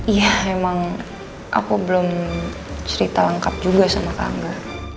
iya emang aku belum cerita lengkap juga sama kak angga